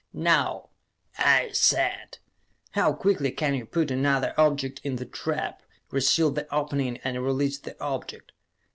"Now," I said, "how quickly can you put another object in the trap, re seal the opening, and release the object?"